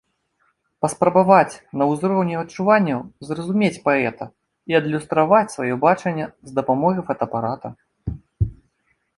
Паспрабаваць на ўзроўні адчуванняў зразумець паэта і адлюстраваць сваё бачанне з дапамогай фотаапарата.